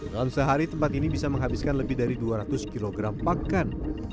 dalam sehari tempat ini bisa menghabiskan lebih dari dua ratus kg pakan